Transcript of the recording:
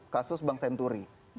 kasus bang senturi